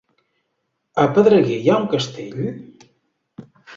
A Pedreguer hi ha un castell?